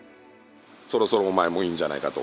そろそろお前もいいんじゃないかと。